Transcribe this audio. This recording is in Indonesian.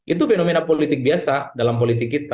itu fenomena politik biasa dalam politik kita